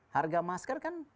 harga masker kan